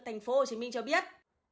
thành phố hồ chí minh cho biết